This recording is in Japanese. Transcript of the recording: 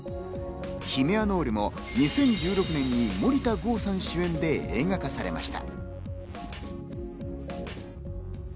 『ヒメアノル』も２０１６年に森田剛さん主演で映画化されました。